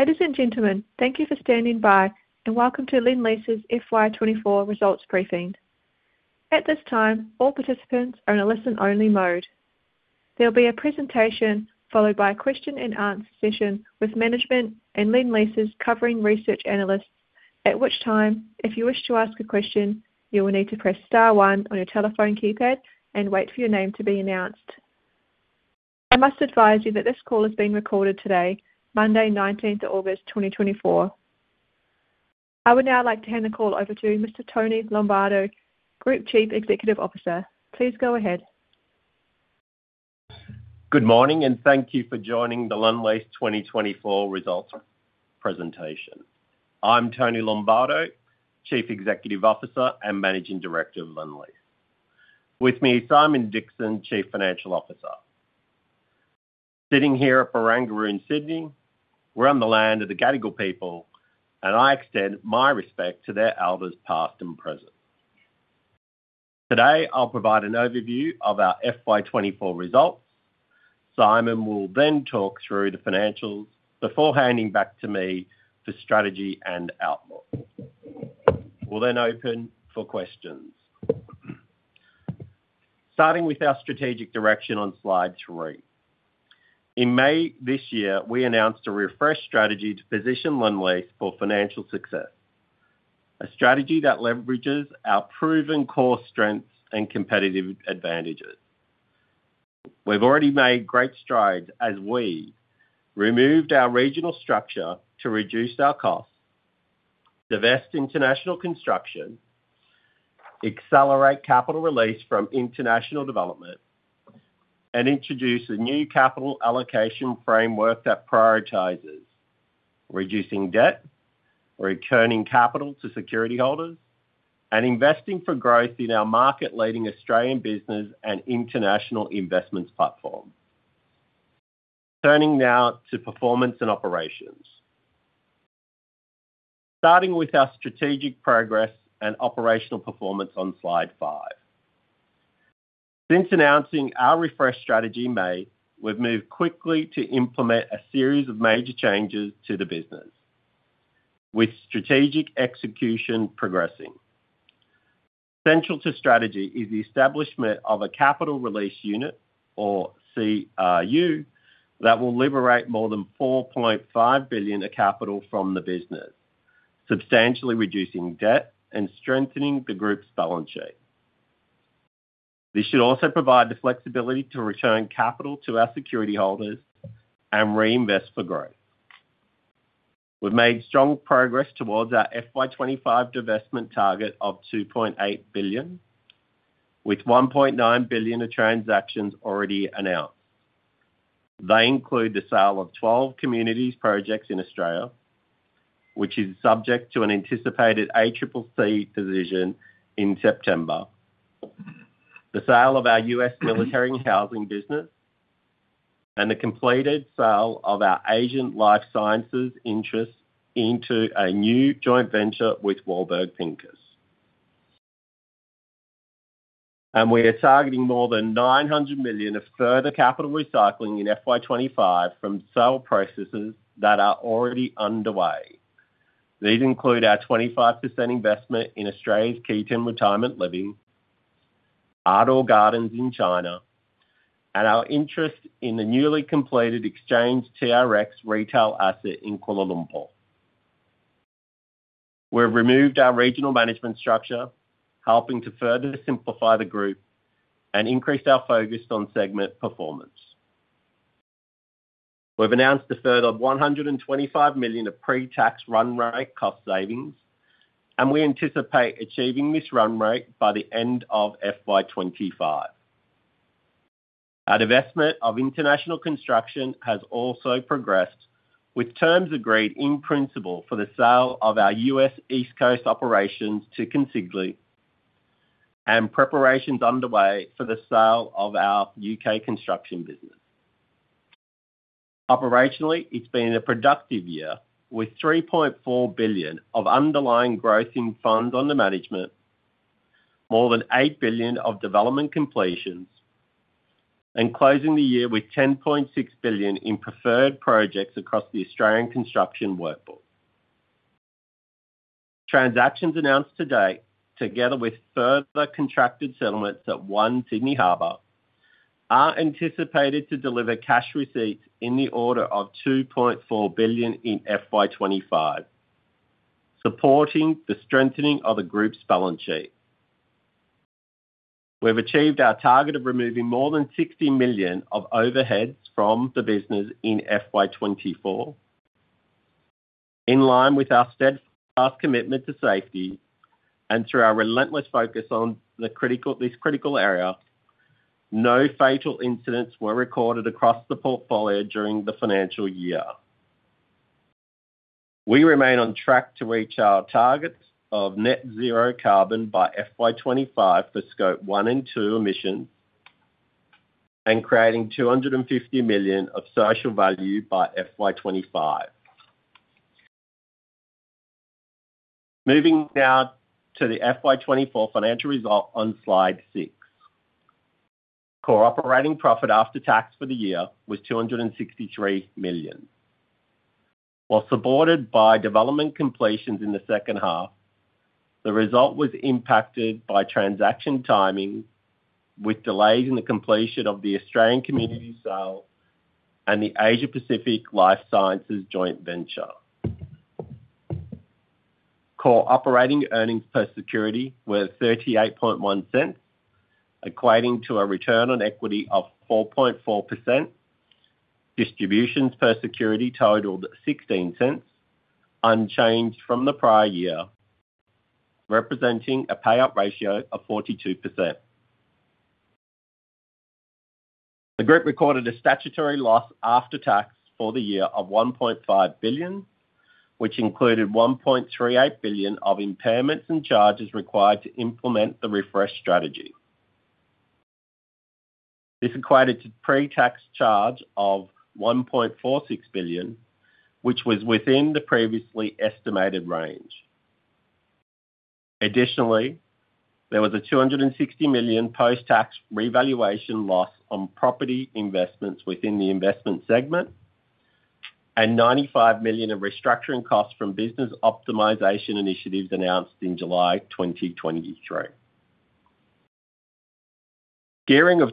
Ladies and gentlemen, thank you for standing by, and welcome to Lendlease's FY 2024 results briefing. At this time, all participants are in a listen-only mode. There will be a presentation, followed by a question-and-answer session with management and Lendlease's covering research analysts. At which time, if you wish to ask a question, you will need to press star one on your telephone keypad and wait for your name to be announced. I must advise you that this call is being recorded today, Monday, 19th of August,2024. I would now like to hand the call over to Mr. Tony Lombardo, Group Chief Executive Officer. Please go ahead. Good morning, and thank you for joining the Lendlease 2024 results presentation. I'm Tony Lombardo, Chief Executive Officer and Managing Director of Lendlease. With me, Simon Dixon, Chief Financial Officer. Sitting here at Barangaroo in Sydney, we're on the land of the Gadigal people, and I extend my respect to their elders, past and present. Today, I'll provide an overview of our FY 2024 results. Simon will then talk through the financials before handing back to me for strategy and outlook. We'll then open for questions. Starting with our strategic direction on slide three. In May this year, we announced a refreshed strategy to position Lendlease for financial success, a strategy that leverages our proven core strengths and competitive advantages. We've already made great strides as we removed our regional structure to reduce our costs, divest international construction, accelerate capital release from international development, and introduce a new capital allocation framework that prioritizes reducing debt, returning capital to security holders, and investing for growth in our market-leading Australian business and international investments platform. Turning now to performance and operations. Starting with our strategic progress and operational performance on slide five. Since announcing our refresh strategy in May, we've moved quickly to implement a series of major changes to the business with strategic execution progressing. Central to strategy is the establishment of a capital release unit, or CRU, that will liberate more than 4.5 billion of capital from the business, substantially reducing debt and strengthening the group's balance sheet. This should also provide the flexibility to return capital to our security holders and reinvest for growth. We've made strong progress towards our FY 2025 divestment target of 2.8 billion, with 1.9 billion of transactions already announced. They include the sale of 12 communities projects in Australia, which is subject to an anticipated ACCC decision in September, the sale of our U.S. military housing business, and the completed sale of our Asian Life Sciences interests into a new joint venture with Warburg Pincus, and we are targeting more than 900 million of further capital recycling in FY 2025 from sale processes that are already underway. These include our 25% investment in Australia's Keyton Retirement Living, Ardor Gardens in China, and our interest in the newly completed Exchange TRX retail asset in Kuala Lumpur. We've removed our regional management structure, helping to further simplify the group and increase our focus on segment performance. We've announced a further 125 million of pre-tax run rate cost savings, and we anticipate achieving this run rate by the end of FY 2025. Our divestment of international construction has also progressed, with terms agreed in principle for the sale of our U.S. East Coast operations to Consigli, and preparations underway for the sale of our U.K. construction business. Operationally, it's been a productive year, with 3.4 billion of underlying growth in funds under management, more than 8 billion of development completions, and closing the year with 10.6 billion in preferred projects across the Australian construction workbook. Transactions announced to date, together with further contracted settlements at One Sydney Harbour, are anticipated to deliver cash receipts in the order of 2.4 billion in FY 2025, supporting the strengthening of the group's balance sheet. We've achieved our target of removing more than 60 million of overheads from the business in FY 2024. In line with our steadfast commitment to safety and through our relentless focus on this critical area, no fatal incidents were recorded across the portfolio during the financial year. We remain on track to reach our targets of net zero carbon by FY 2025 for Scope one and two emissions, and creating 250 million of social value by FY 2025. Moving down to the FY 2024 financial result on slide six. Core operating profit after tax for the year was 263 million. While supported by development completions in the second half, the result was impacted by transaction timing, with delays in the completion of the Australian community sale and the Asia Pacific Life Sciences joint venture. Core operating earnings per security were 0.381, equating to a return on equity of 4.4%. Distributions per security totaled 0.16, unchanged from the prior year, representing a payout ratio of 42%. The group recorded a statutory loss after tax for the year of 1.5 billion, which included 1.38 billion of impairments and charges required to implement the refresh strategy. This equated to pre-tax charge of 1.46 billion, which was within the previously estimated range. Additionally, there was a 260 million post-tax revaluation loss on property investments within the investment segment and 95 million in restructuring costs from business optimization initiatives announced in July 2023. Gearing of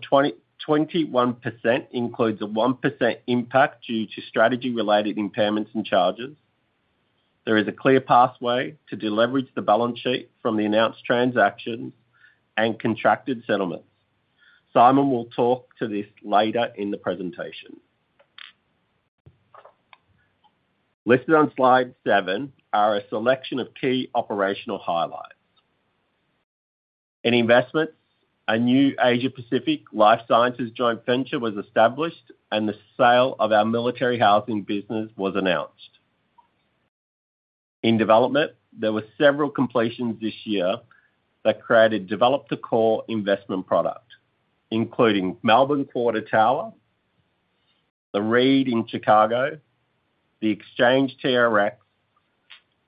21% includes a 1% impact due to strategy-related impairments and charges. There is a clear pathway to deleverage the balance sheet from the announced transactions and contracted settlements. Simon will talk to this later in the presentation. Listed on slide seven are a selection of key operational highlights. In investments, a new Asia Pacific Life Sciences joint venture was established, and the sale of our military housing business was announced. In development, there were several completions this year that created develop-to-core investment product, including Melbourne Quarter Tower, The Reed in Chicago, the Exchange TRX,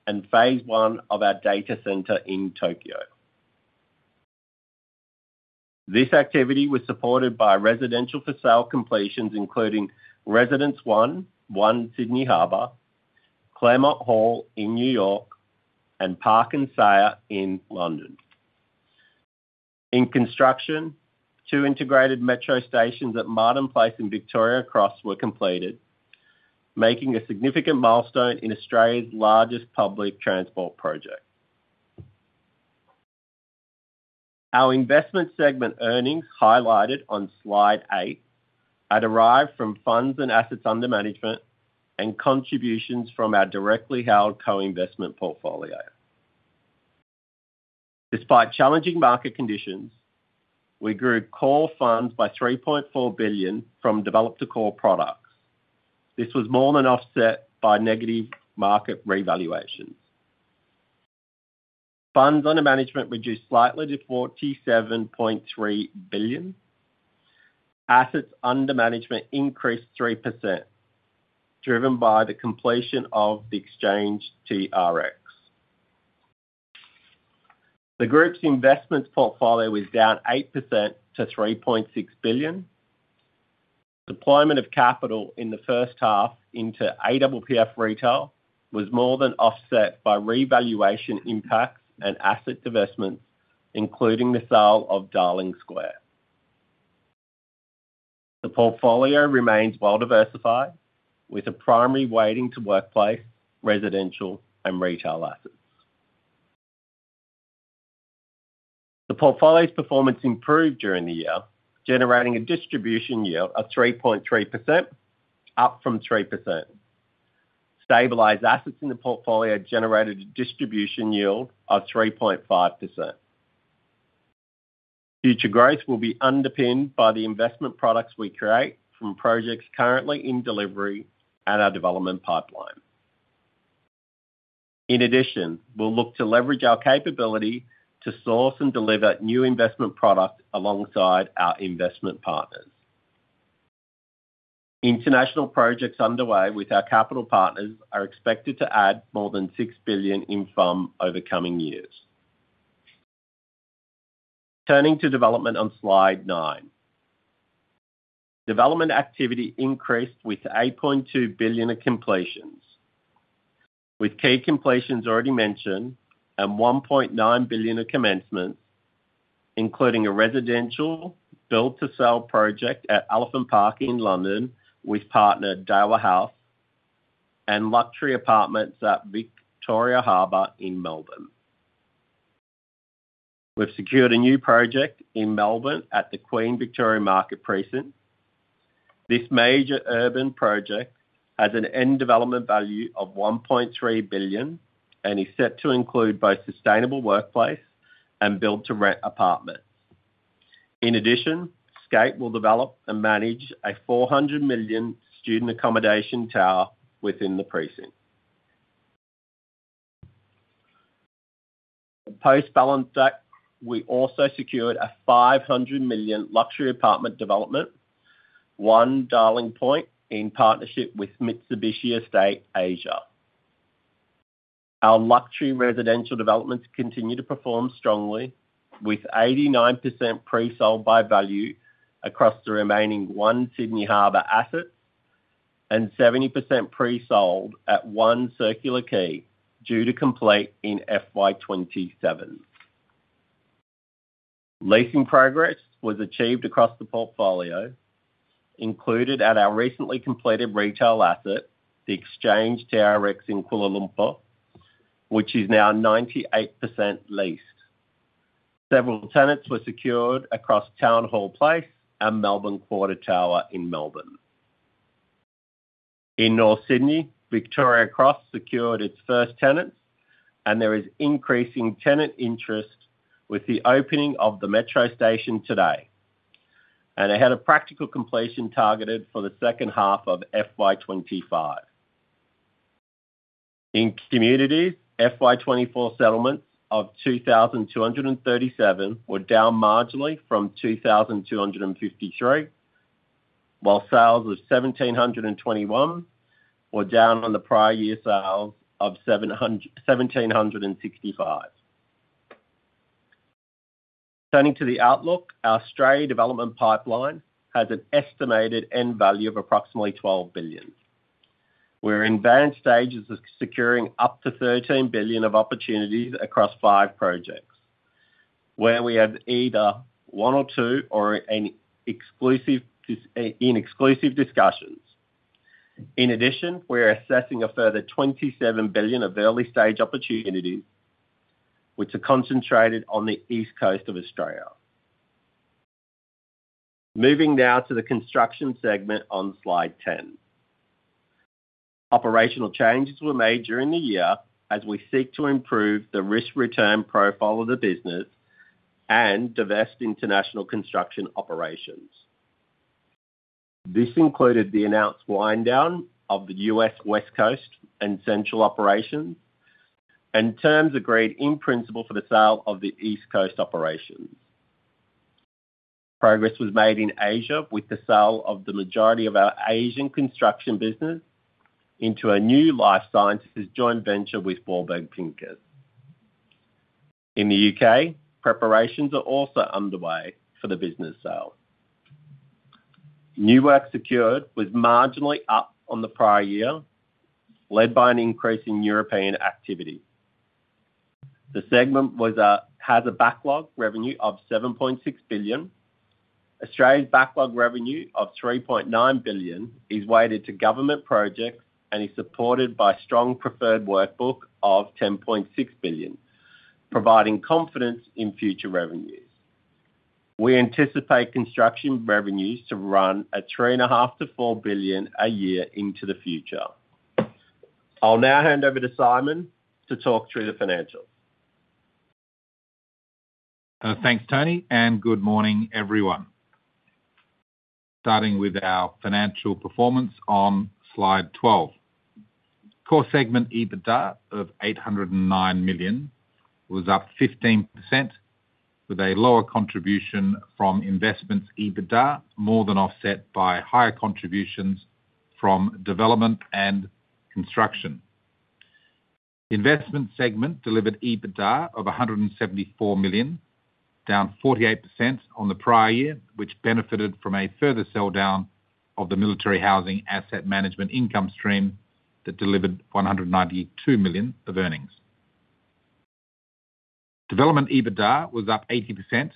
and phase one of our data center in Tokyo. This activity was supported by residential-for-sale completions, including Residences One, One Sydney Harbour, Claremont Hall in New York, and Park & Sayer in London. In construction, two integrated metro stations at Martin Place and Victoria Cross were completed, making a significant milestone in Australia's largest public transport project. Our investment segment earnings, highlighted on slide eight, are derived from funds and assets under management, and contributions from our directly held co-investment portfolio. Despite challenging market conditions, we grew core funds by 3.4 billion from develop to core products. This was more than offset by negative market revaluation. Funds under management reduced slightly to 47.3 billion. Assets under management increased 3%, driven by the completion of the Exchange TRX. The group's investments portfolio was down 8% to 3.6 billion. Deployment of capital in the first half into APPF Retail was more than offset by revaluation impacts and asset divestments, including the sale of Darling Square. The portfolio remains well diversified, with a primary weighting to workplace, residential, and retail assets. The portfolio's performance improved during the year, generating a distribution yield of 3.3%, up from 3%. Stabilized assets in the portfolio generated a distribution yield of 3.5%. Future growth will be underpinned by the investment products we create from projects currently in delivery at our development pipeline. In addition, we'll look to leverage our capability to source and deliver new investment products alongside our investment partners. International projects underway with our capital partners are expected to add more than 6 billion in FUM over the coming years. Turning to development on slide nine. Development activity increased with 8.2 billion of completions, with key completions already mentioned and 1.9 billion of commencements, including a residential build-to-sell project at Elephant Park in London, with partner Daiwa House, and luxury apartments at Victoria Harbour in Melbourne. We've secured a new project in Melbourne at the Queen Victoria Market precinct. This major urban project has an end development value of 1.3 billion and is set to include both sustainable workplace and build-to-rent apartments. In addition, Scape will develop and manage a 400 million student accommodation tower within the precinct. Post-balance sheet, we also secured a 500 million luxury apartment development, One Darling Point in partnership with Mitsubishi Estate Asia. Our luxury residential developments continue to perform strongly, with 89% pre-sold by value across the remaining One Sydney Harbour assets, and 70% pre-sold at One Circular Quay, due to complete in FY 2027. Leasing progress was achieved across the portfolio, included at our recently completed retail asset, The Exchange TRX, in Kuala Lumpur, which is now 98% leased. Several tenants were secured across Town Hall Place and Melbourne Quarter Tower in Melbourne. In North Sydney, Victoria Cross secured its first tenant, and there is increasing tenant interest with the opening of the metro station today, and ahead of practical completion targeted for the second half of FY25. In communities, FY24 settlements of 2,237 were down marginally from 2,253, while sales of 1,721 were down on the prior year sales of 1,765. Turning to the outlook, our Australia development pipeline has an estimated end value of approximately 12 billion. We're in advanced stages of securing up to 13 billion of opportunities across five projects, where we have either one or two or an exclusive, in exclusive discussions. In addition, we are assessing a further 27 billion of early-stage opportunities, which are concentrated on the east coast of Australia. Moving now to the construction segment on Slide 10. Operational changes were made during the year as we seek to improve the risk-return profile of the business and divest international construction operations. This included the announced wind down of the U.S. West Coast and central operations, and terms agreed in principle for the sale of the East Coast operations. Progress was made in Asia with the sale of the majority of our Asian construction business into a new life sciences joint venture with Warburg Pincus. In the U.K., preparations are also underway for the business sale. New work secured was marginally up on the prior year, led by an increase in European activity. The segment has a backlog revenue of 7.6 billion. Australia's backlog revenue of 3.9 billion is weighted to government projects and is supported by strong preferred workbank of 10.6 billion, providing confidence in future revenues. We anticipate construction revenues to run at 3.5 billion-4 billion a year into the future. I'll now hand over to Simon to talk through the financials. Thanks, Tony, and good morning, everyone. Starting with our financial performance on Slide 12. Core segment EBITDA of 809 million was up 15%, with a lower contribution from investments EBITDA more than offset by higher contributions from development and construction. Investment segment delivered EBITDA of 174 million, down 48% on the prior year, which benefited from a further sell down of the military housing asset management income stream that delivered 192 million of earnings. Development EBITDA was up 80%,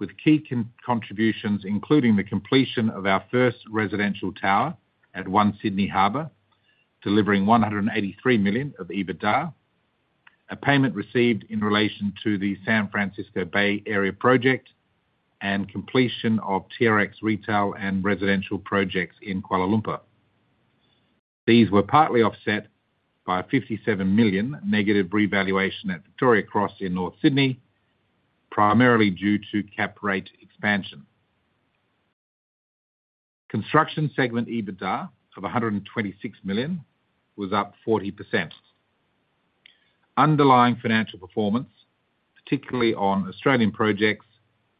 with key contributions, including the completion of our first residential tower at One Sydney Harbour, delivering 183 million of EBITDA, a payment received in relation to the San Francisco Bay Area project, and completion of TRX retail and residential projects in Kuala Lumpur. These were partly offset by a 57 million negative revaluation at Victoria Cross in North Sydney, primarily due to cap rate expansion. Construction segment EBITDA of 126 million was up 40%. Underlying financial performance, particularly on Australian projects,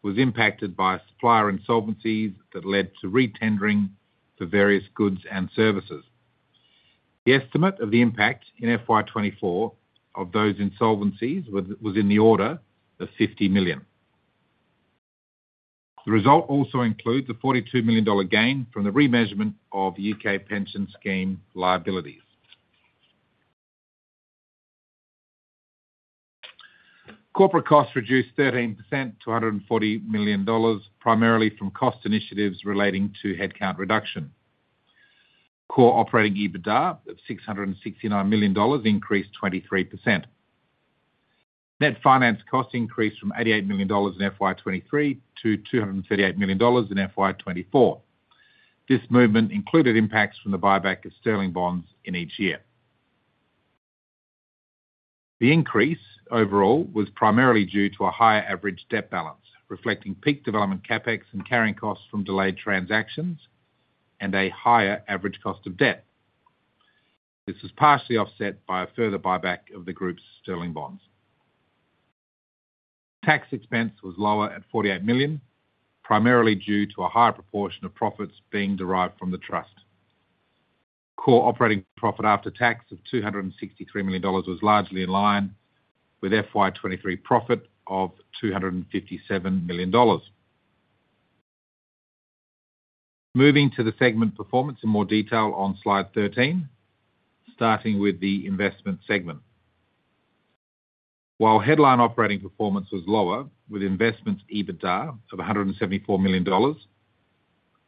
was impacted by supplier insolvencies that led to retendering for various goods and services. The estimate of the impact in FY 2024 of those insolvencies was in the order of 50 million. The result also includes a 42 million dollar gain from the remeasurement of U.K. pension scheme liabilities. Corporate costs reduced 13% to 140 million dollars, primarily from cost initiatives relating to headcount reduction. Core operating EBITDA of 669 million dollars increased 23%. Net finance costs increased from 88 million dollars in FY 2023 to 238 million dollars in FY 2024. This movement included impacts from the buyback of sterling bonds in each year. The increase overall was primarily due to a higher average debt balance, reflecting peak development CapEx and carrying costs from delayed transactions and a higher average cost of debt. This was partially offset by a further buyback of the group's sterling bonds. Tax expense was lower at 48 million, primarily due to a higher proportion of profits being derived from the trust. Core operating profit after tax of 263 million dollars was largely in line with FY 2023 profit of 257 million dollars. Moving to the segment performance in more detail on slide 13, starting with the investment segment. While headline operating performance was lower with investments EBITDA of 174 million dollars,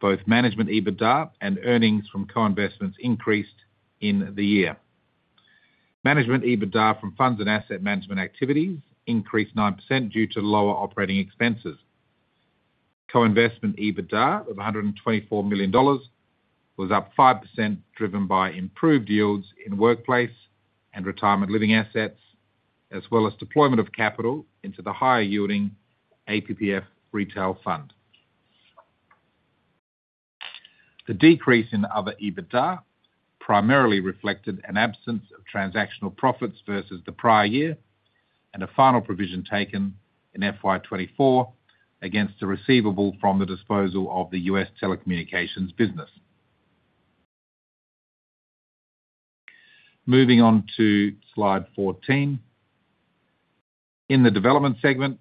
both management EBITDA and earnings from co-investments increased in the year. Management EBITDA from funds and asset management activities increased 9% due to lower operating expenses. Co-investment EBITDA of 124 million dollars was up 5%, driven by improved yields in workplace and retirement living assets, as well as deployment of capital into the higher yielding APPF retail fund. The decrease in other EBITDA primarily reflected an absence of transactional profits versus the prior year, and a final provision taken in FY 2024 against the receivable from the disposal of the U.S. telecommunications business. Moving on to slide 14. In the development segment,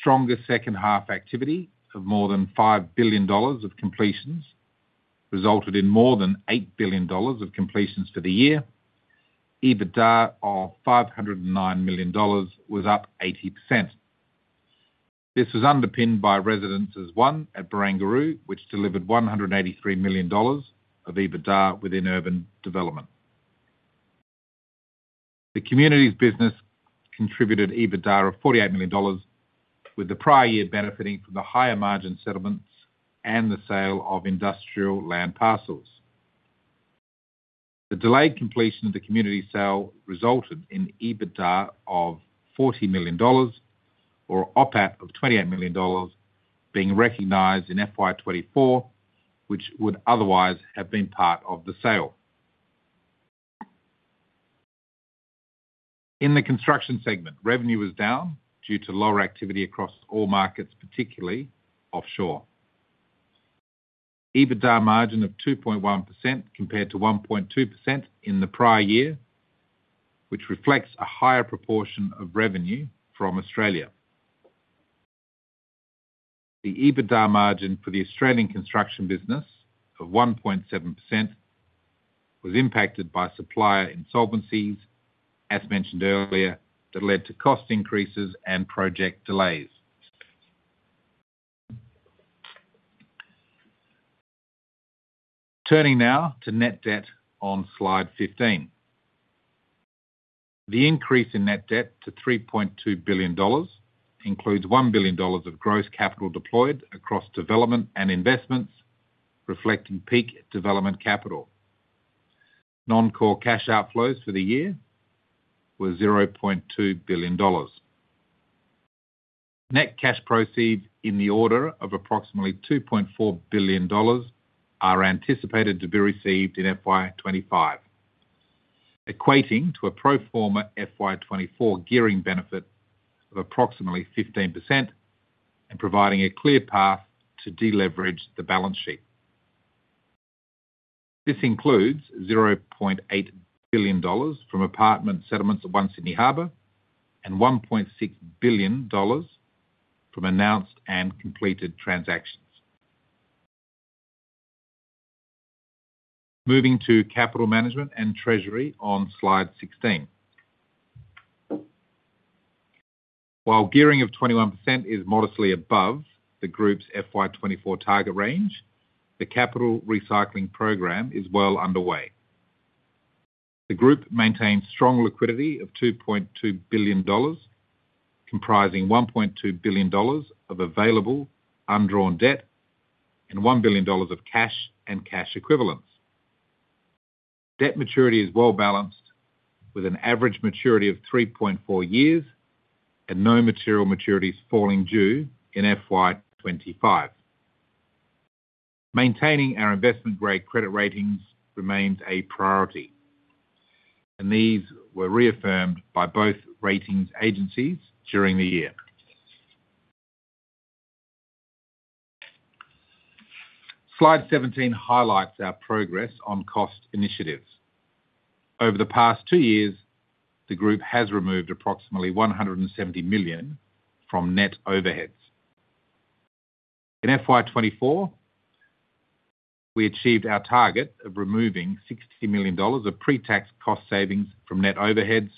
stronger second half activity of more than 5 billion dollars of completions resulted in more than 8 billion dollars of completions for the year. EBITDA of 509 million dollars was up 80%. This was underpinned by Residences One at Barangaroo, which delivered 183 million dollars of EBITDA within urban development. The communities business contributed EBITDA of 48 million dollars, with the prior year benefiting from the higher margin settlements and the sale of industrial land parcels. The delayed completion of the community sale resulted in EBITDA of 40 million dollars or OPAT of 28 million dollars being recognized in FY 2024, which would otherwise have been part of the sale. In the construction segment, revenue was down due to lower activity across all markets, particularly offshore. EBITDA margin of 2.1% compared to 1.2% in the prior year, which reflects a higher proportion of revenue from Australia. The EBITDA margin for the Australian construction business of 1.7% was impacted by supplier insolvencies, as mentioned earlier, that led to cost increases and project delays. Turning now to net debt on Slide 15. The increase in net debt to 3.2 billion dollars includes 1 billion dollars of gross capital deployed across development and investments, reflecting peak development capital. Non-core cash outflows for the year were 0.2 billion dollars. Net cash proceeds in the order of approximately 2.4 billion dollars are anticipated to be received in FY 2025, equating to a pro forma FY 2024 gearing benefit of approximately 15% and providing a clear path to deleverage the balance sheet. This includes 0.8 billion dollars from apartment settlements at One Sydney Harbour and 1.6 billion dollars from announced and completed transactions. Moving to capital management and treasury on slide 16. While gearing of 21% is modestly above the group's FY 2024 target range, the capital recycling program is well underway. The group maintains strong liquidity of 2.2 billion dollars, comprising 1.2 billion dollars of available undrawn debt and 1 billion dollars of cash and cash equivalents. Debt maturity is well balanced, with an average maturity of 3.4 years and no material maturities falling due in FY 2025. Maintaining our investment-grade credit ratings remains a priority, and these were reaffirmed by both ratings agencies during the year. Slide 17 highlights our progress on cost initiatives. Over the past two years, the group has removed approximately 170 million from net overheads. In FY 2024, we achieved our target of removing 60 million dollars of pre-tax cost savings from net overheads,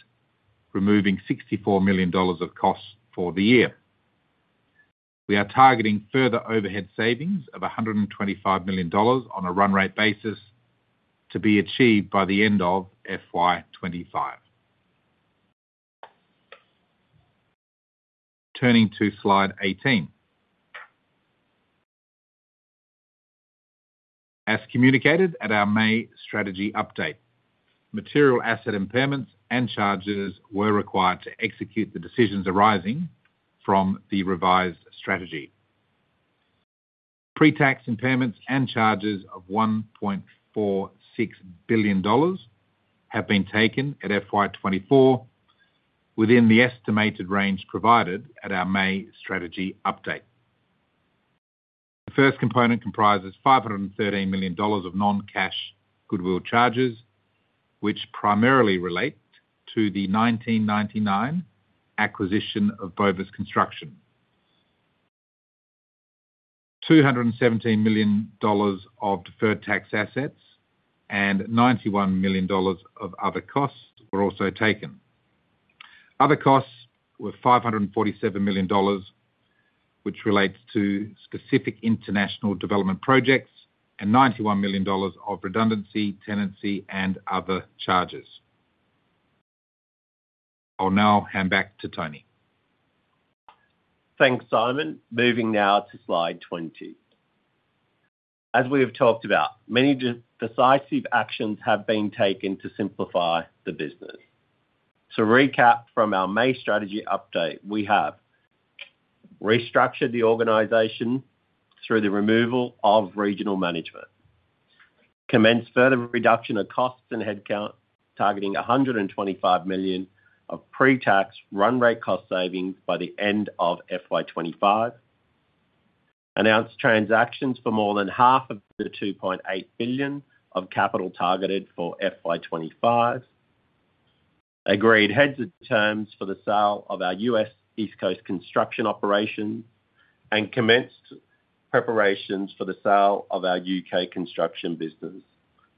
removing 64 million dollars of costs for the year. We are targeting further overhead savings of 125 million dollars on a run rate basis to be achieved by the end of FY 2025. Turning to slide 18. As communicated at our May strategy update, material asset impairments and charges were required to execute the decisions arising from the revised strategy. Pre-tax impairments and charges of 1.46 billion dollars have been taken at FY 2024, within the estimated range provided at our May strategy update. The first component comprises 513 million dollars of non-cash goodwill charges, which primarily relate to the 1999 acquisition of Bovis Construction. 217 million dollars of deferred tax assets and 91 million dollars of other costs were also taken. Other costs were 547 million dollars, which relates to specific international development projects, and 91 million dollars of redundancy, tenancy, and other charges. I'll now hand back to Tony. Thanks, Simon. Moving now to slide 20. As we have talked about, many decisive actions have been taken to simplify the business. To recap from our May strategy update, we have restructured the organization through the removal of regional management, commenced further reduction of costs and headcount, targeting 125 million of pre-tax run rate cost savings by the end of FY 2025, announced transactions for more than half of the 2.8 billion of capital targeted for FY 2025, agreed heads of terms for the sale of our U.S. East Coast construction operation, and commenced preparations for the sale of our U.K. construction business.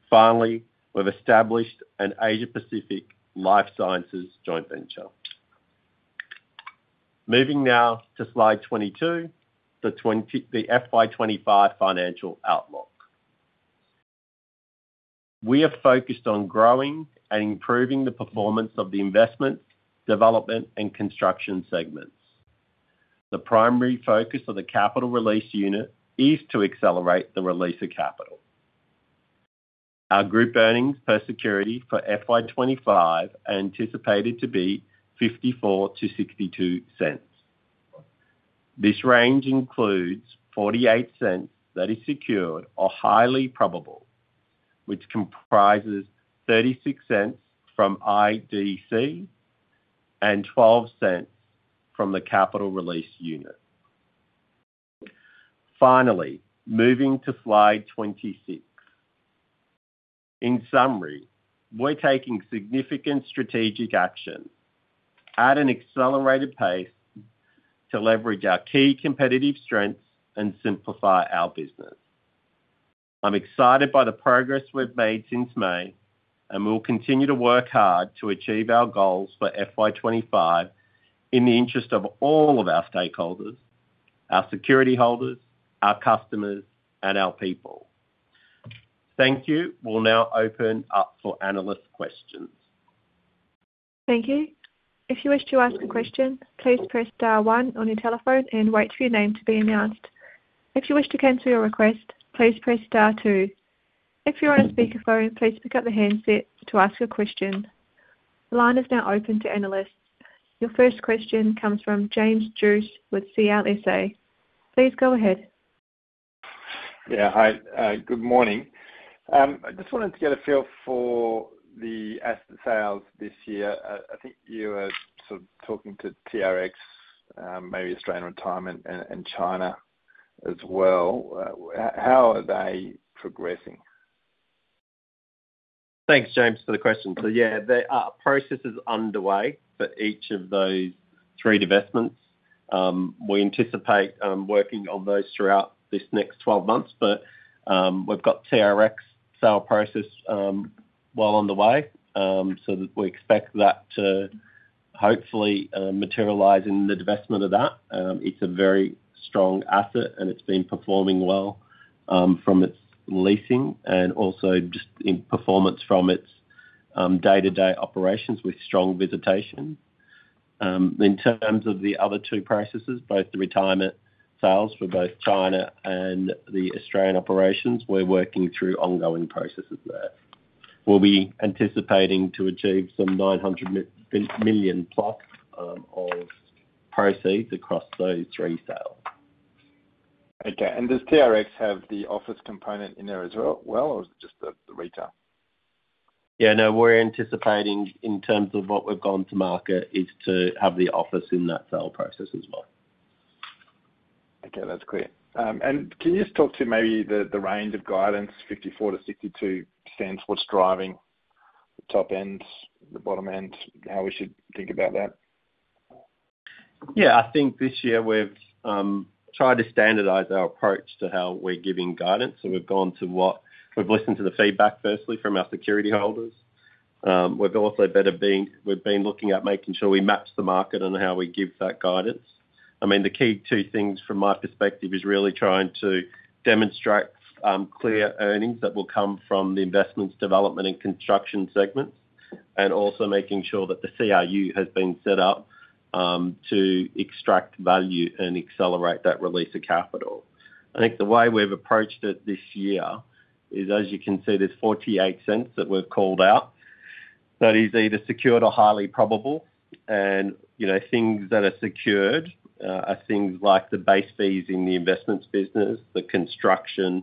Finally, we've established an Asia Pacific Life Sciences joint venture. Moving now to slide 22, the FY 2025 financial outlook. We are focused on growing and improving the performance of the investment, development, and construction segments. The primary focus of the Capital Release Unit is to accelerate the release of capital. Our group earnings per security for FY 2025 are anticipated to be 0.54-0.62. This range includes 0.48 that is secured or highly probable, which comprises 0.36 from IDC and 0.12 from the Capital Release Unit. Finally, moving to slide 26. In summary, we're taking significant strategic action at an accelerated pace to leverage our key competitive strengths and simplify our business. I'm excited by the progress we've made since May, and we'll continue to work hard to achieve our goals for FY 2025 in the interest of all of our stakeholders, our security holders, our customers, and our people. Thank you. We'll now open up for analyst questions. Thank you. If you wish to ask a question, please press star one on your telephone and wait for your name to be announced. If you wish to cancel your request, please press star two. If you're on speakerphone, please pick up the handset to ask a question. The line is now open to analysts. Your first question comes from James Druce with CLSA. Please go ahead. Yeah. Hi, good morning. I just wanted to get a feel for the asset sales this year. I think you were sort of talking to TRX, maybe Australian Retirement and China as well. How are they progressing? Thanks, James, for the question. So yeah, there are processes underway for each of those three divestments. We anticipate working on those throughout this next 12 months, but we've got TRX sale process well on the way. So we expect that to hopefully materialize in the divestment of that. It's a very strong asset, and it's been performing well from its leasing and also just in performance from its day-to-day operations with strong visitation. In terms of the other two processes, both the retirement sales for both China and the Australian operations, we're working through ongoing processes there. We'll be anticipating to achieve some 900 million+ of proceeds across those three sales. Okay, and does TRX have the office component in there as well, or is it just the retail? Yeah, no, we're anticipating in terms of what we've gone to market is to have the office in that sale process as well. Okay, that's clear, and can you just talk to maybe the range of guidance, 0.54-0.62? What's driving the top end, the bottom end, how we should think about that? Yeah, I think this year we've tried to standardize our approach to how we're giving guidance. So we've listened to the feedback, firstly, from our security holders. We've also been looking at making sure we match the market on how we give that guidance. I mean, the key two things from my perspective is really trying to demonstrate clear earnings that will come from the investments, development, and construction segments, and also making sure that the CRU has been set up to extract value and accelerate that release of capital. I think the way we've approached it this year is, as you can see, there's 0.48 that we've called out. That is either secured or highly probable. You know, things that are secured are things like the base fees in the investments business, the construction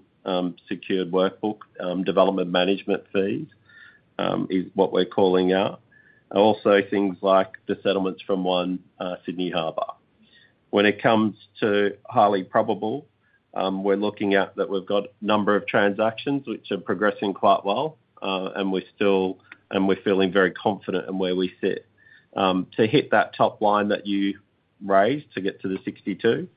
secured work bank, development management fees is what we're calling out. Also things like the settlements from One Sydney Harbour. When it comes to highly probable, we're looking at that we've got a number of transactions which are progressing quite well, and we're feeling very confident in where we sit. To hit that top line that you raised to get to the 0.62,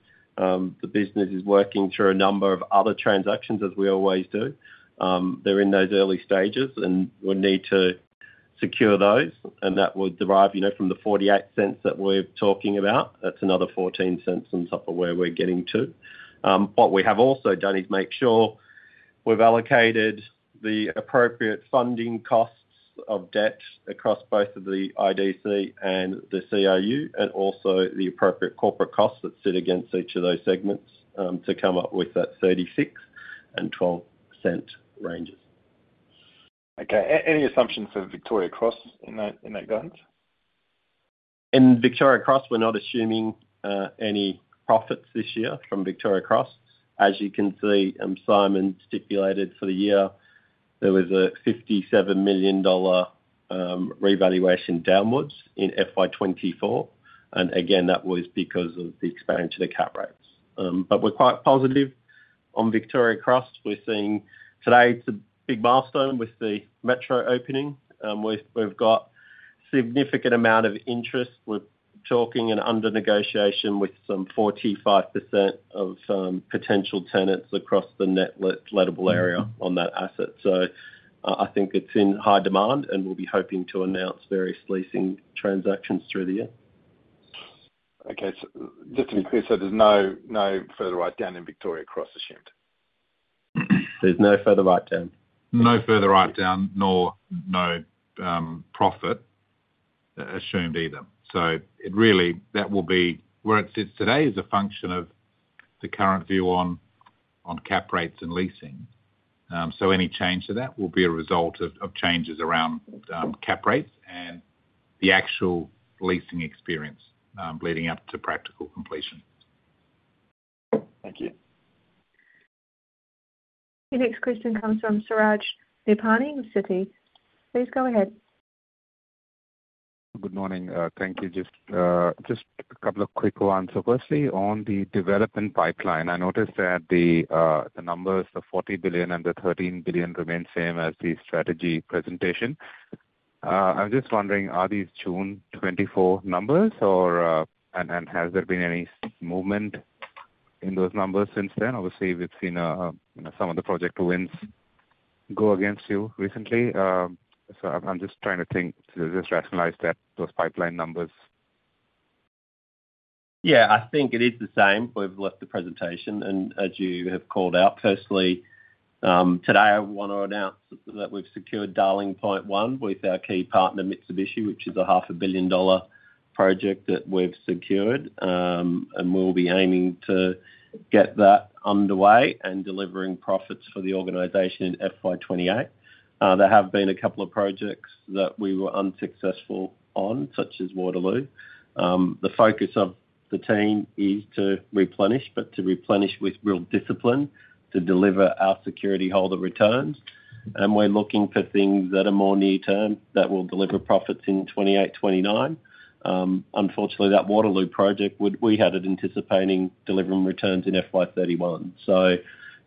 the business is working through a number of other transactions, as we always do. They're in those early stages, and we need to secure those, and that would derive, you know, from the 0.48 that we're talking about. That's another 0.14 on top of where we're getting to. What we have also done is make sure we've allocated the appropriate funding costs of debt across both of the IDC and the CRU, and also the appropriate corporate costs that sit against each of those segments, to come up with that 36% and 12% ranges. Okay. Any assumptions for Victoria Cross in that guidance? In Victoria Cross, we're not assuming any profits this year from Victoria Cross. As you can see, and Simon stipulated for the year, there was a 57 million dollar revaluation downwards in FY 2024, and again, that was because of the expansion to the cap rates. But we're quite positive on Victoria Cross. We're seeing today it's a big milestone with the metro opening. We've got significant amount of interest. We're talking and under negotiation with some 45% of potential tenants across the net lettable area on that asset. So I think it's in high demand, and we'll be hoping to announce various leasing transactions through the year. Okay, so just to be clear, so there's no, no further write down in Victoria Cross assumed? There's no further write down. No further write down, nor profit assumed either. So it really, that will be where it sits today is a function of the current view on cap rates and leasing. So any change to that will be a result of changes around cap rates and the actual leasing experience leading up to practical completion. Thank you. The next question comes from Suraj Nebhani in Citi. Please go ahead. Good morning. Thank you. Just a couple of quick ones. So firstly, on the development pipeline, I noticed that the numbers, the 40 billion and the 13 billion remain same as the strategy presentation. I'm just wondering, are these June 2024 numbers or... And has there been any movement in those numbers since then? Obviously, we've seen some of the project wins go against you recently. So I'm just trying to think, to just rationalize that, those pipeline numbers. Yeah, I think it is the same. We've left the presentation, and as you have called out, firstly, today, I want to announce that we've secured One Darling Point with our key partner, Mitsubishi, which is an 500 million dollar project that we've secured, and we'll be aiming to get that underway and delivering profits for the organization in FY 2028. There have been a couple of projects that we were unsuccessful on, such as Waterloo. The focus of the team is to replenish, but to replenish with real discipline, to deliver our security holder returns. And we're looking for things that are more near-term, that will deliver profits in 2028, 2029. Unfortunately, that Waterloo project, we had it anticipating delivering returns in FY 2031. So,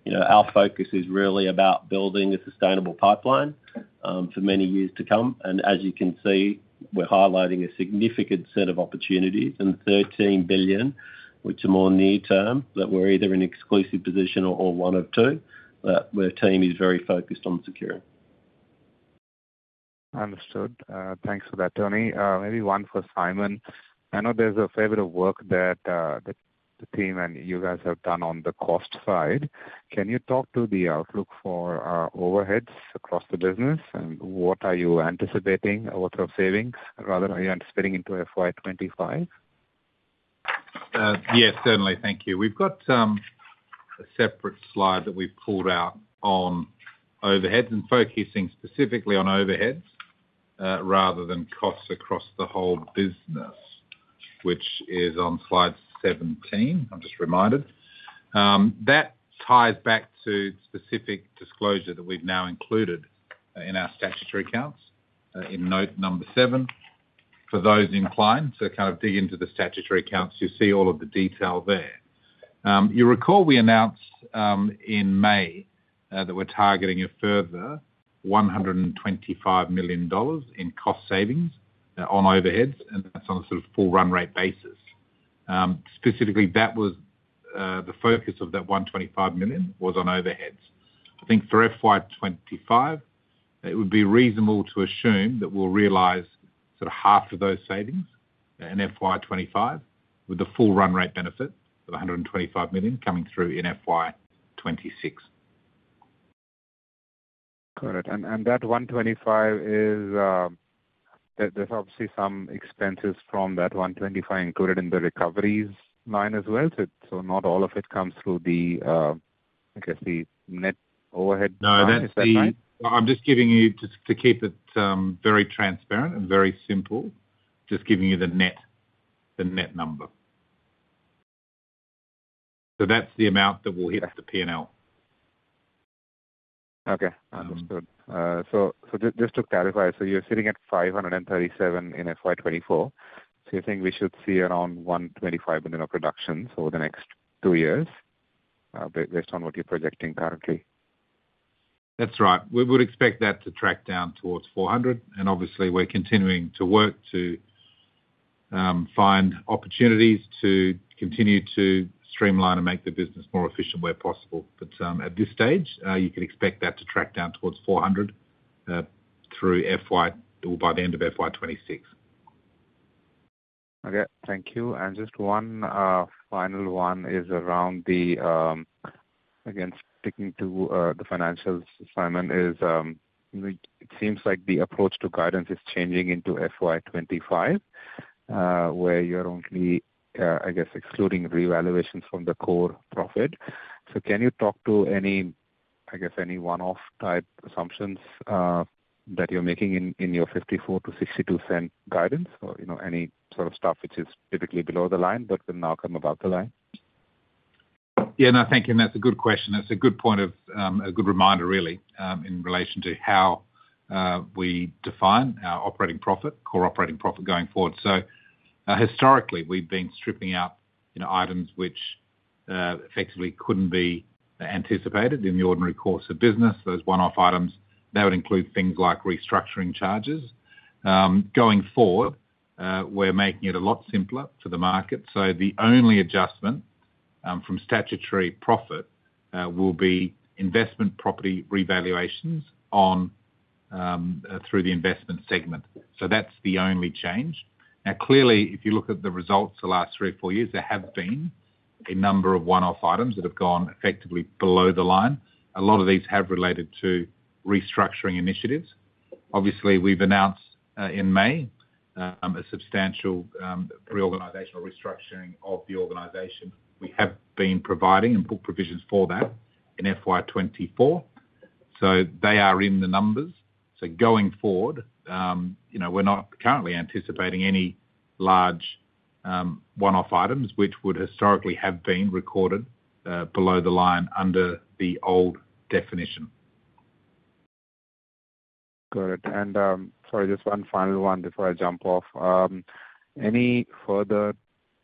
you know, our focus is really about building a sustainable pipeline for many years to come. As you can see, we're highlighting a significant set of opportunities and 13 billion, which are more near term, that we're either in exclusive position or, or one of two, that our team is very focused on securing. Understood. Thanks for that, Tony. Maybe one for Simon. I know there's a fair bit of work that the team and you guys have done on the cost side. Can you talk to the outlook for overheads across the business, and what are you anticipating, or sort of savings, rather, are you anticipating into FY 2025? Yes, certainly. Thank you. We've got a separate slide that we've pulled out on overheads and focusing specifically on overheads, rather than costs across the whole business, which is on slide 17, I'm just reminded. That ties back to specific disclosure that we've now included in our statutory accounts, in note number seven, for those inclined to kind of dig into the statutory accounts, you'll see all of the detail there. You recall we announced, in May, that we're targeting a further 125 million dollars in cost savings, on overheads, and that's on a sort of full run rate basis. Specifically, that was the focus of that 125 million was on overheads. I think for FY 2025, it would be reasonable to assume that we'll realize sort of half of those savings in FY 2025, with the full run rate benefit of 125 million coming through in FY 2026. Got it. And, and that 125 is, there, there's obviously some expenses from that 125 included in the recoveries line as well. So, so not all of it comes through the, Okay, the net overhead- No, that's the. I'm just giving it to you to keep it very transparent and very simple, just giving you the net number. So that's the amount that will hit the P&L. Okay, understood. So just to clarify, you're sitting at 537 in FY 2024, so you think we should see around 125 million of reduction over the next two years, based on what you're projecting currently? That's right. We would expect that to track down towards 400, and obviously we're continuing to work to find opportunities to continue to streamline and make the business more efficient where possible. But at this stage, you can expect that to track down towards 400 through FY or by the end of FY 2026. Okay, thank you. And just one final one is around the, again, sticking to the financials, Simon, is it seems like the approach to guidance is changing into FY 2025, where you're only, I guess, excluding revaluations from the core profit. So can you talk to any, I guess, any one-off type assumptions that you're making in your 54-62 cent guidance, or, you know, any sort of stuff which is typically below the line but will now come above the line? Yeah, no, thank you, and that's a good question. That's a good point of, a good reminder really, in relation to how, we define our operating profit, core operating profit going forward. So, historically, we've been stripping out, you know, items which, effectively couldn't be anticipated in the ordinary course of business. Those one-off items, that would include things like restructuring charges. Going forward, we're making it a lot simpler for the market. So the only adjustment, from statutory profit, will be investment property revaluations on, through the investment segment. So that's the only change. Now, clearly, if you look at the results the last three or four years, there have been a number of one-off items that have gone effectively below the line. A lot of these have related to restructuring initiatives. Obviously, we've announced in May a substantial reorganizational restructuring of the organization. We have been providing and booking provisions for that in FY 2024, so they are in the numbers, so going forward, you know, we're not currently anticipating any large one-off items which would historically have been recorded below the line under the old definition. Got it. And, sorry, just one final one before I jump off. Any further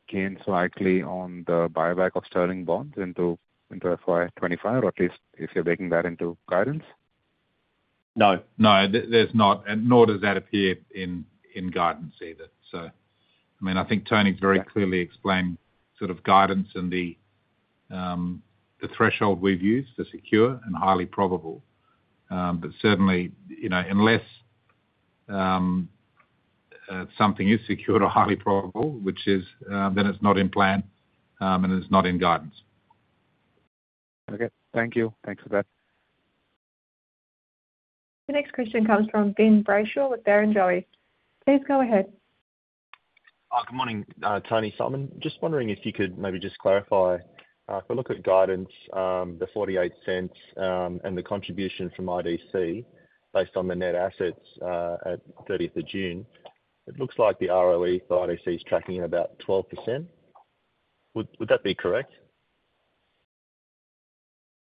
gains likely on the buyback of sterling bonds into FY 2025, or at least if you're baking that into guidance? No. No, there's not, and nor does that appear in guidance either. So, I mean, I think Tony's very clearly explained sort of guidance and the threshold we've used, the secure and highly probable. But certainly, you know, unless something is secured or highly probable, which is then it's not in plan, and it's not in guidance. Okay. Thank you. Thanks for that. The next question comes from Ben Brayshaw with Barrenjoey. Please go ahead. Good morning, Tony, Simon. Just wondering if you could maybe just clarify. If I look at guidance, the 0.48, and the contribution from IDC based on the net assets, at thirtieth of June, it looks like the ROE for IDC is tracking at about 12%. Would that be correct?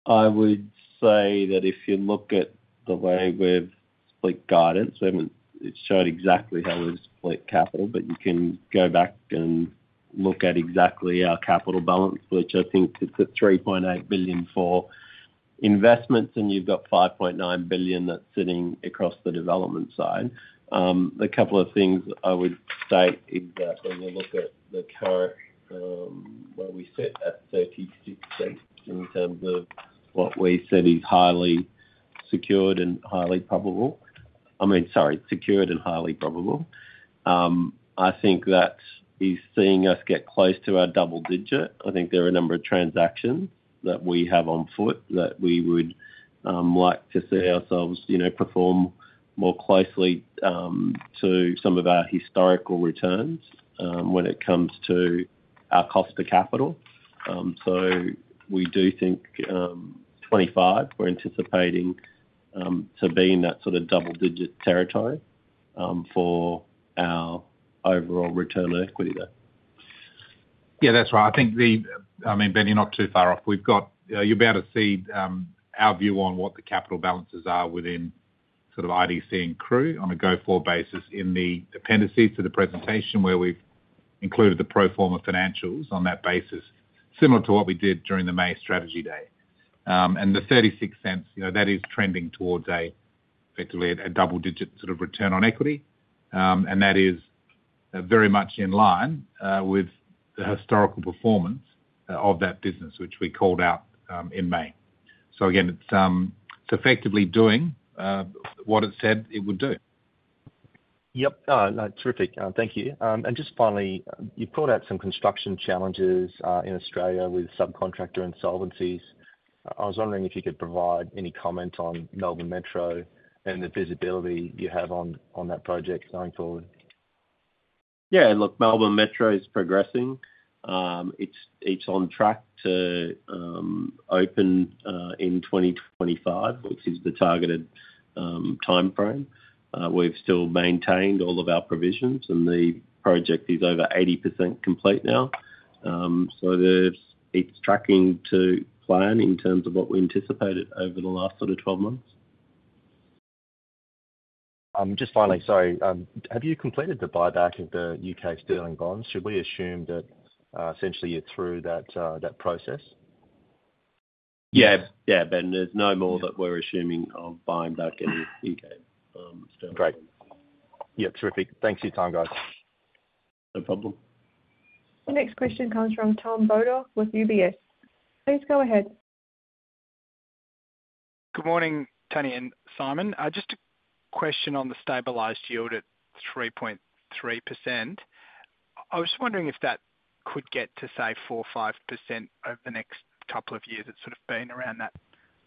I would say that if you look at the way we've split guidance, I mean, it showed exactly how we've split capital, but you can go back and look at exactly our capital balance, which I think is at 3.8 billion for investments, and you've got 5.9 billion that's sitting across the development side. A couple of things I would state is that when you look at the current, where we sit at 36% in terms of what we said is highly secured and highly probable. I mean, sorry, secured and highly probable, I think that is seeing us get close to our double digit. I think there are a number of transactions that we have on foot that we would like to see ourselves, you know, perform more closely to some of our historical returns when it comes to our cost to capital. So we do think 2025 we're anticipating to be in that sort of double-digit territory for our overall return on equity there. Yeah, that's right. I think I mean, Ben, you're not too far off. We've got, you'll be able to see, our view on what the capital balances are within sort of IDC and CRU on a go-forward basis in the appendices to the presentation, where we've included the pro forma financials on that basis, similar to what we did during the May strategy day. And the 0.36, you know, that is trending towards effectively a double-digit sort of return on equity, and that is very much in line with the historical performance of that business, which we called out in May. So again, it's effectively doing what it said it would do. Yep. No, terrific. Thank you, and just finally, you called out some construction challenges in Australia with subcontractor insolvencies. I was wondering if you could provide any comment on Melbourne Metro and the visibility you have on that project going forward?... Yeah, look, Melbourne Metro is progressing. It's on track to open in 2025, which is the targeted timeframe. We've still maintained all of our provisions, and the project is over 80% complete now. So it's tracking to plan in terms of what we anticipated over the last sort of 12 months. Just finally, sorry, have you completed the buyback of the U.K. sterling bonds? Should we assume that, essentially you're through that process? Yeah. Yeah, Ben, there's no more that we're assuming of buying back any U.K. sterling. Great. Yeah, terrific. Thanks for your time, guys. No problem. The next question comes from Tom Boulton with UBS. Please go ahead. Good morning, Tony and Simon. Just a question on the stabilized yield at 3.3%. I was just wondering if that could get to, say, 4%-5% over the next couple of years. It's sort of been around that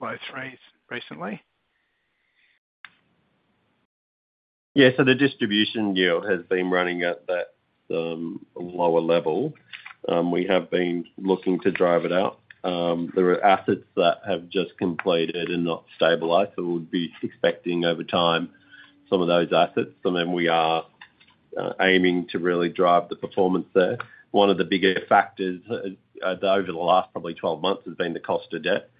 low 3s% recently. Yeah, so the distribution yield has been running at that lower level. We have been looking to drive it up. There are assets that have just completed and not stabilized, so we'd be expecting over time, some of those assets, and then we are aiming to really drive the performance there. One of the bigger factors over the last probably 12 months has been the cost of debt.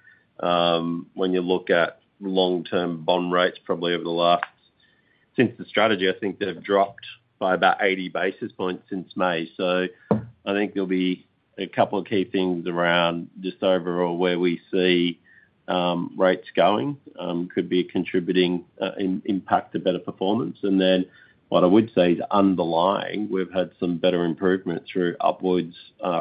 When you look at long-term bond rates, probably over the last—since the strategy, I think they've dropped by about 80 basis points since May. So I think there'll be a couple of key things around just overall, where we see rates going, could be a contributing impact to better performance. And then what I would say is, underlying, we've had some better improvement through upwards,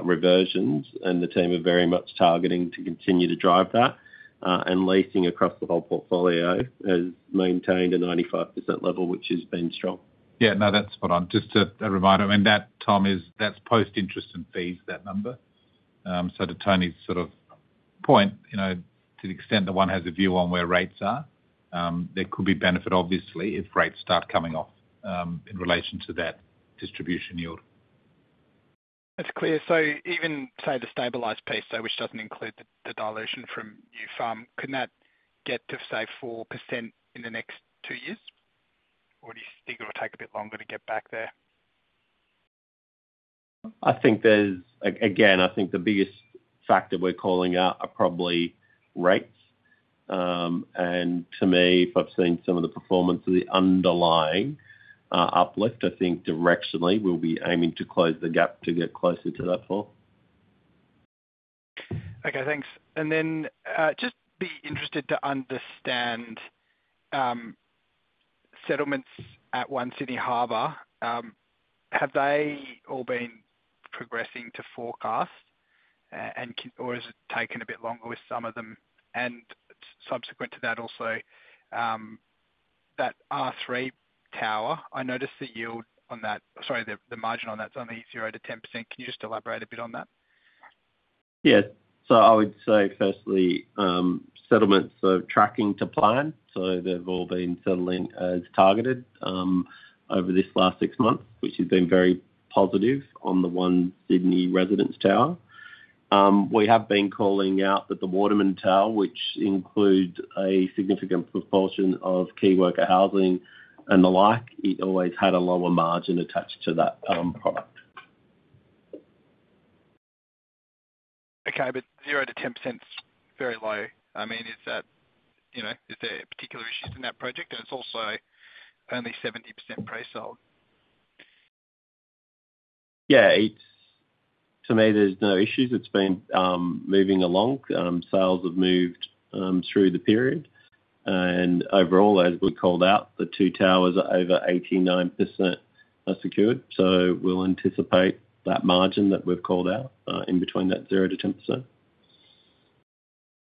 reversions, and the team are very much targeting to continue to drive that. And leasing across the whole portfolio has maintained a 95% level, which has been strong. Yeah. No, that's what I'm just a reminder, I mean, that Tom is, that's post-interest and fees, that number. So to Tony's sort of point, you know, to the extent that one has a view on where rates are, there could be benefit, obviously, if rates start coming off, in relation to that distribution yield. That's clear. So even, say, the stabilized piece, though, which doesn't include the dilution from new FUM, could that get to, say, 4% in the next two years? Or do you think it will take a bit longer to get back there? I think there's... Again, I think the biggest factor we're calling out are probably rates. And to me, if I've seen some of the performance of the underlying uplift, I think directionally we'll be aiming to close the gap to get closer to that floor. Okay, thanks. And then, I'd just be interested to understand settlements at One Sydney Harbour. Have they all been progressing to forecast, and or has it taken a bit longer with some of them? And subsequent to that also, that R3 tower, I noticed the yield on that. Sorry, the margin on that is only 0%-10%. Can you just elaborate a bit on that? Yeah. So I would say firstly, settlements are tracking to plan, so they've all been settling as targeted, over this last six months, which has been very positive on the Residences One tower. We have been calling out that the Waterman tower, which includes a significant proportion of key worker housing and the like, it always had a lower margin attached to that product. Okay, but 0%-10% is very low. I mean, is that, you know, is there particular issues in that project? And it's also only 70% pre-sold. Yeah, it's to me, there's no issues. It's been moving along. Sales have moved through the period, and overall, as we called out, the two towers are over 89% secured, so we'll anticipate that margin that we've called out in between that 0% to 10%.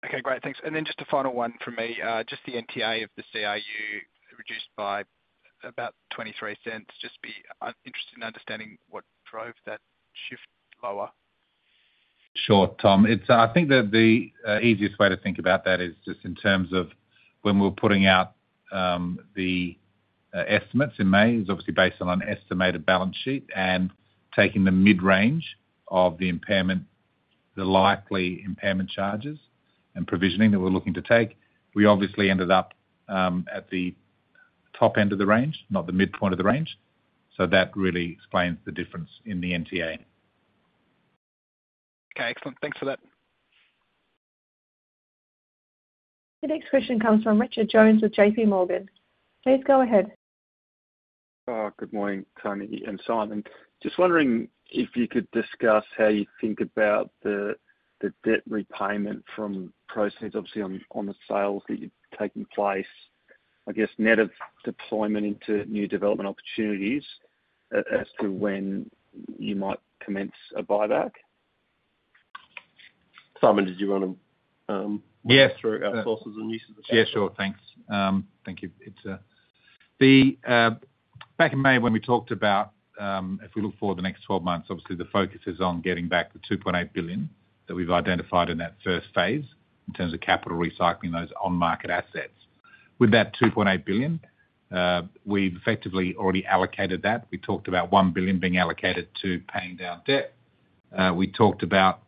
Okay, great. Thanks. And then just a final one from me. Just be interested in understanding what drove that shift lower. Sure, Tom. It's, I think that the easiest way to think about that is just in terms of when we're putting out the estimates in May, is obviously based on an estimated balance sheet and taking the mid-range of the impairment, the likely impairment charges and provisioning that we're looking to take. We obviously ended up at the top end of the range, not the midpoint of the range. So that really explains the difference in the NTA. Okay, excellent. Thanks for that. The next question comes from Richard Jones with J.P. Morgan. Please go ahead. Good morning, Tony and Simon. Just wondering if you could discuss how you think about the debt repayment from proceeds, obviously, on the sales that are taking place, I guess, net of deployment into new development opportunities, as to when you might commence a buyback. Simon, did you want to? Yeah Walk through our sources and uses? Yeah, sure. Thanks. Thank you. It's back in May when we talked about if we look forward the next 12 months, obviously the focus is on getting back the 2.8 billion that we've identified in that first phase, in terms of capital recycling those on-market assets. With that 2.8 billion, we've effectively already allocated that. We talked about 1 billion being allocated to paying down debt. We talked about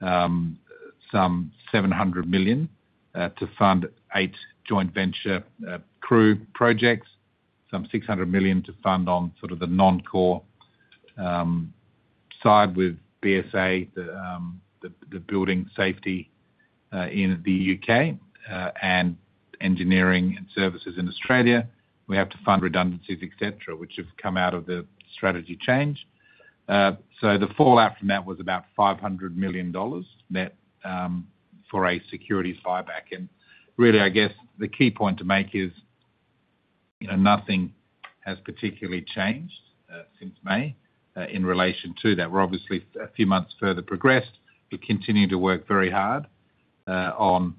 some 700 million to fund our joint venture CRU projects, some 600 million to fund on sort of the non-core side with BSA, the building safety in the U.K. and engineering and services in Australia. We have to fund redundancies, et cetera, which have come out of the strategy change. So the fallout from that was about 500 million dollars net for a securities buyback. And really, I guess, the key point to make is, you know, nothing has particularly changed since May in relation to that. We're obviously a few months further progressed. We're continuing to work very hard on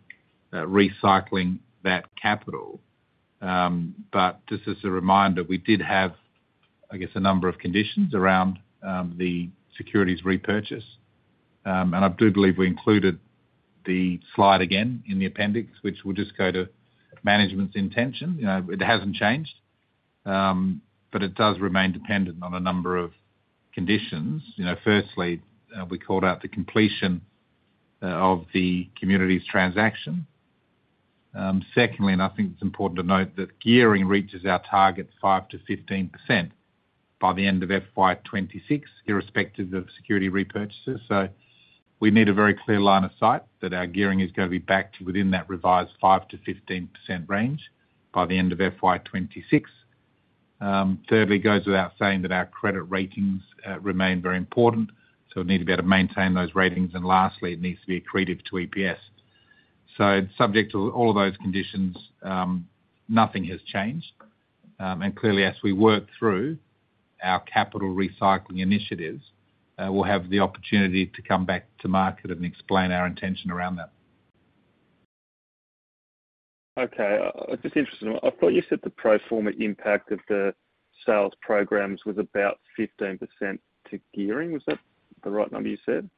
recycling that capital. But just as a reminder, we did have, I guess, a number of conditions around the securities repurchase. And I do believe we included the slide again in the appendix, which will just go to management's intention. You know, it hasn't changed, but it does remain dependent on a number of conditions. You know, firstly, we called out the completion of the communities transaction. Secondly, and I think it's important to note, that gearing reaches our target 5%-15% by the end of FY 2026, irrespective of security repurchases. So we need a very clear line of sight that our gearing is gonna be back to within that revised 5%-15% range by the end of FY 2026. Thirdly, it goes without saying that our credit ratings remain very important, so we need to be able to maintain those ratings. And lastly, it needs to be accretive to EPS. So subject to all of those conditions, nothing has changed. And clearly, as we work through our capital recycling initiatives, we'll have the opportunity to come back to market and explain our intention around that. Okay. I'm just interested. I thought you said the pro forma impact of the sales programs was about 15% to gearing. Was that the right number you said?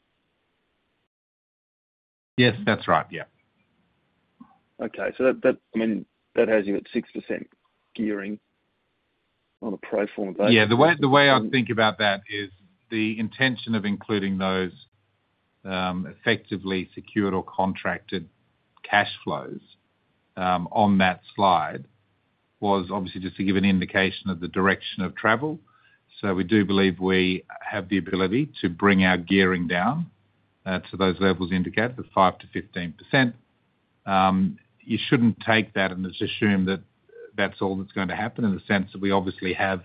Yes, that's right. Yeah. Okay, so I mean, that has you at 6% gearing on a pro forma basis. Yeah, the way I think about that is the intention of including those effectively secured or contracted cash flows on that slide was obviously just to give an indication of the direction of travel. So we do believe we have the ability to bring our gearing down to those levels indicated, the 5%-15%. You shouldn't take that and just assume that that's all that's going to happen, in the sense that we obviously have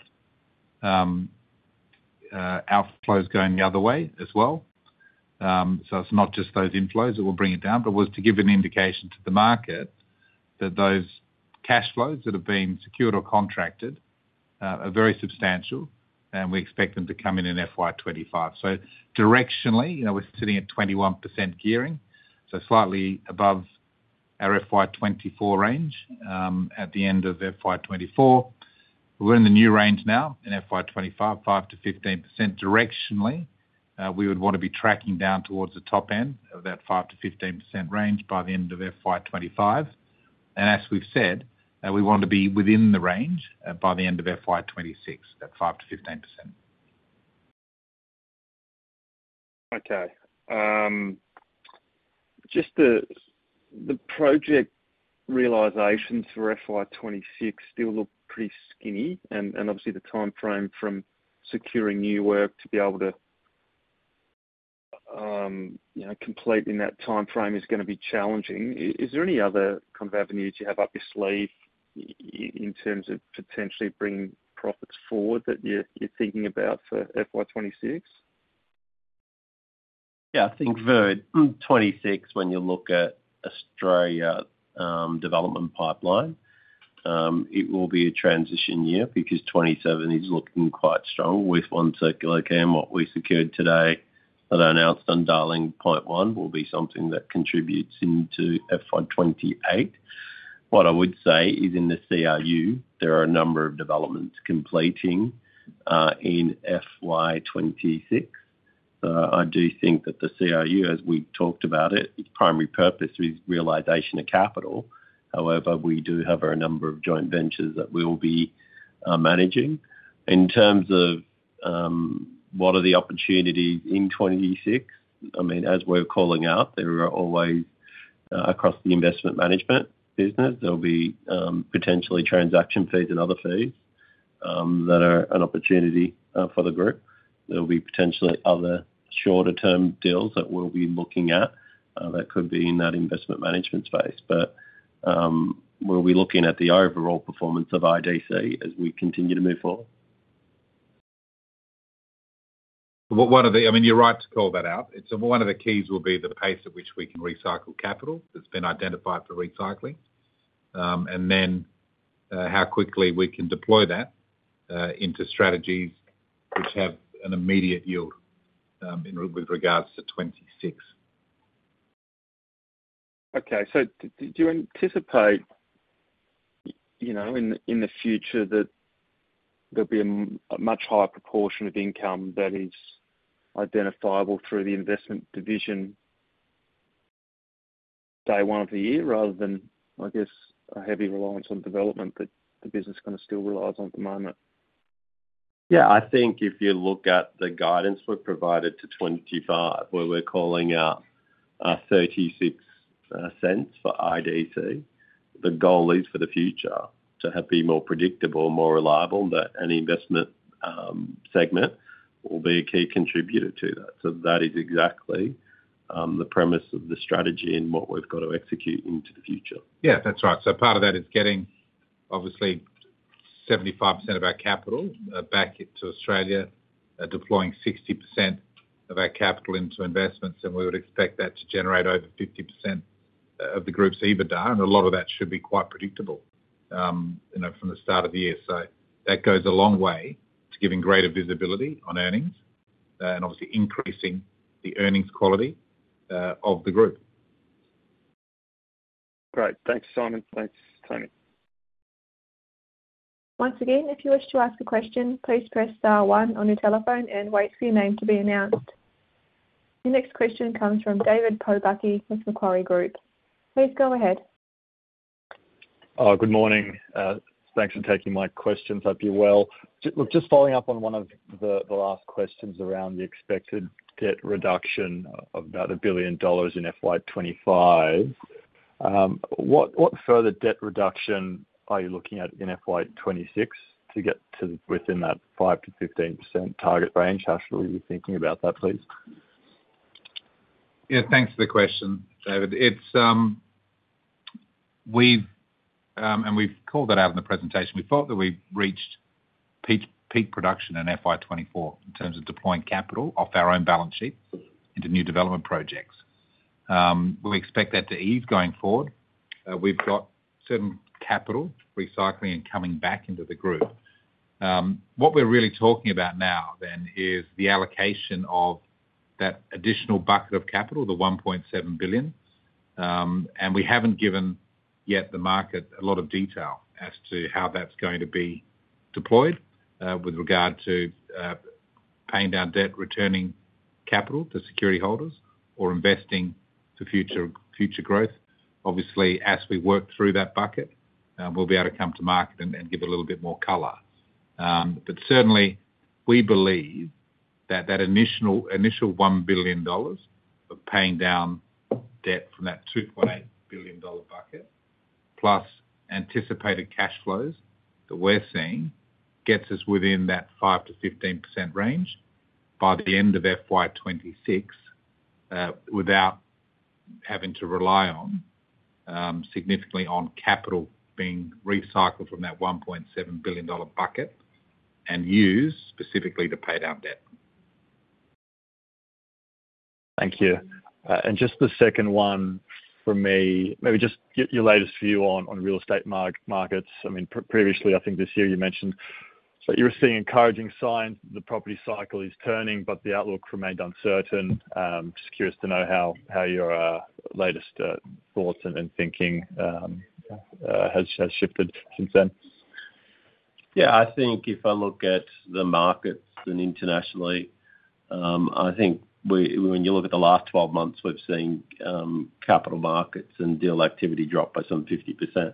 outflows going the other way as well. So it's not just those inflows that will bring it down, but was to give an indication to the market that those cash flows that have been secured or contracted are very substantial, and we expect them to come in in FY 2025. So directionally, you know, we're sitting at 21% gearing, so slightly above our FY 2024 range. At the end of FY 2024, we're in the new range now in FY 2025, 5%-15%. Directionally, we would want to be tracking down towards the top end of that 5%-15% range by the end of FY 2025. And as we've said, we want to be within the range, by the end of FY 2026, that 5%-15%. Okay, just the project realizations for FY 2026 still look pretty skinny, and obviously the timeframe from securing new work to be able to, you know, complete in that timeframe is gonna be challenging. Is there any other kind of avenues you have up your sleeve in terms of potentially bringing profits forward that you're thinking about for FY 2026? Yeah, I think for 2026, when you look at Australia, development pipeline, it will be a transition year because 2027 is looking quite strong with One Circular Quay. What we secured today, that announced on One Darling Point, will be something that contributes into FY 2028. What I would say is in the CRU, there are a number of developments completing, in FY 2026. I do think that the CRU, as we talked about it, its primary purpose is realization of capital. However, we do have a number of joint ventures that we will be, managing. In terms of, what are the opportunities in 2026, I mean, as we're calling out, there are always, across the investment management business, there'll be, potentially transaction fees and other fees, that are an opportunity, for the group. There'll be potentially other shorter-term deals that we'll be looking at, that could be in that investment management space. But, we'll be looking at the overall performance of IDC as we continue to move forward. What are the... I mean, you're right to call that out. It's one of the keys will be the pace at which we can recycle capital that's been identified for recycling, and then, how quickly we can deploy that, into strategies which have an immediate yield, with regards to 2026. Okay. So do you anticipate, you know, in the future that there'll be a much higher proportion of income that is identifiable through the investment division, day one of the year, rather than, I guess, a heavy reliance on development that the business kind of still relies on at the moment? Yeah, I think if you look at the guidance we've provided to 2025, where we're calling out 0.36 for IDC, the goal is for the future to have be more predictable and more reliable, but an investment segment will be a key contributor to that. So that is exactly the premise of the strategy and what we've got to execute into the future. Yeah, that's right. So part of that is getting obviously 75% of our capital back into Australia, deploying 60% of our capital into investments, and we would expect that to generate over 50% of the group's EBITDA, and a lot of that should be quite predictable, you know, from the start of the year. So that goes a long way to giving greater visibility on earnings, and obviously increasing the earnings quality of the group. Great. Thanks, Simon. Thanks, Tony. Once again, if you wish to ask a question, please press star one on your telephone and wait for your name to be announced. The next question comes from David Pobucky with Macquarie Group. Please go ahead. Good morning. Thanks for taking my questions. Hope you're well. Just following up on one of the last questions around the expected debt reduction of about 1 billion dollars in FY 2025. What further debt reduction are you looking at in FY 2026 to get to within that 5%-15% target range? How actually are you thinking about that, please? Yeah, thanks for the question, David. It's, we've and we've called that out in the presentation. We thought that we've reached peak production in FY 2024, in terms of deploying capital off our own balance sheet into new development projects. We expect that to ease going forward. We've got certain capital recycling and coming back into the group. What we're really talking about now then is the allocation of that additional bucket of capital, the 1.7 billion. And we haven't given yet the market a lot of detail as to how that's going to be deployed, with regard to paying down debt, returning capital to security holders or investing for future growth. Obviously, as we work through that bucket, we'll be able to come to market and give a little bit more color. But certainly, we believe that that initial 1 billion dollars of paying down debt from that 2.8 billion-dollar bucket, plus anticipated cash flows that we're seeing, gets us within that 5%-15% range by the end of FY 2026, without having to rely on, significantly on capital being recycled from that 1.7 billion-dollar bucket and used specifically to pay down debt. Thank you. And just the second one from me, maybe just your latest view on real estate markets. I mean, previously, I think this year you mentioned that you were seeing encouraging signs, the property cycle is turning, but the outlook remained uncertain. Just curious to know how your latest thoughts and thinking has shifted since then. Yeah, I think if I look at the markets and internationally, I think when you look at the last 12 months, we've seen capital markets and deal activity drop by some 50%.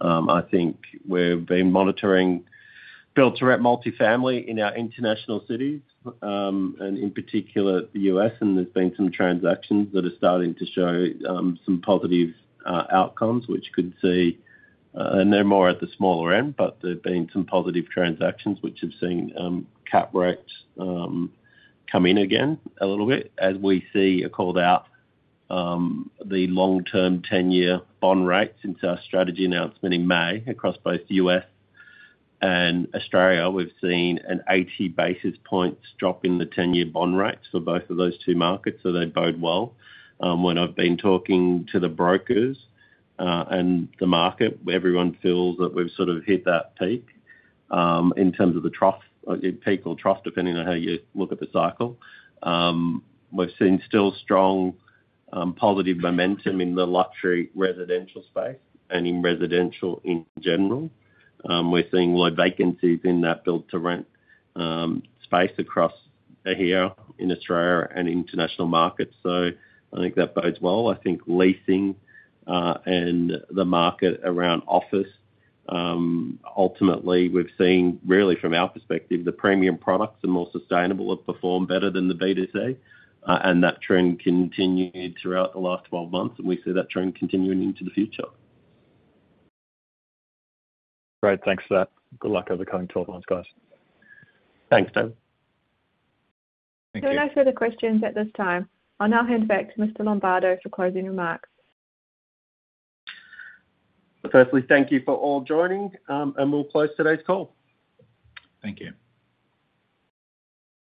I think we've been monitoring build-to-rent multifamily in our international cities, and in particular, the U.S., and there's been some transactions that are starting to show some positive outcomes, which could see and they're more at the smaller end, but there have been some positive transactions which have seen cap rates come in again a little bit. As we see, I called out the long-term ten-year bond rate since our strategy announcement in May, across both the U.S. and Australia, we've seen an eighty basis points drop in the ten-year bond rates for both of those two markets, so they bode well. When I've been talking to the brokers, and the market, everyone feels that we've sort of hit that peak, in terms of the trough, or peak or trough, depending on how you look at the cycle. We've seen still strong, positive momentum in the luxury residential space and in residential in general. We're seeing low vacancies in that build-to-rent space across here in Australia and international markets. So I think that bodes well. I think leasing, and the market around office, ultimately, we've seen really from our perspective, the premium products are more sustainable, have performed better than the B and C, and that trend continued throughout the last 12 months, and we see that trend continuing into the future. Great. Thanks for that. Good luck over the coming 12 months, guys. Thanks, David. Thank you. No further questions at this time. I'll now hand back to Mr. Lombardo for closing remarks. Firstly, thank you for all joining, and we'll close today's call. Thank you.